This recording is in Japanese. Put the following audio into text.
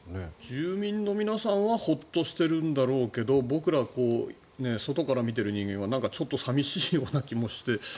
住民の皆さんはホッとしているんだろうけど僕ら、外から見ている人間はちょっと寂しいような気もして。